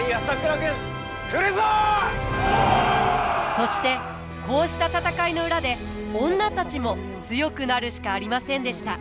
そしてこうした戦いの裏で女たちも強くなるしかありませんでした。